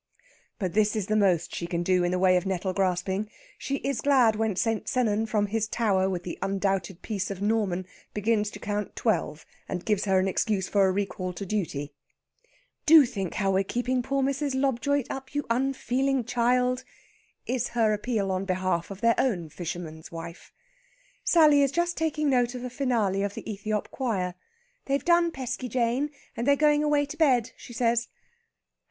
But this is the most she can do in the way of nettle grasping. She is glad when St. Sennan, from his tower with the undoubted piece of Norman, begins to count twelve, and gives her an excuse for a recall to duty. "Do think how we're keeping poor Mrs. Lobjoit up, you unfeeling child!" is her appeal on behalf of their own fisherman's wife. Sally is just taking note of a finale of the Ethiop choir. "They've done Pesky Jane, and they're going away to bed," she says.